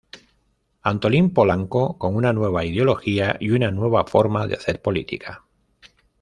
Antolín Polanco, con una nueva ideología y una nueva forma de hacer política.